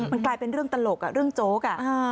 มันกลายเป็นเรื่องตลกเรื่องโจ๊ก